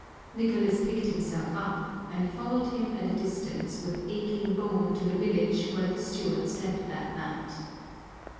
Nicolas picked himself up, and followed him at a distance with aching bones to the village where the steward slept that night.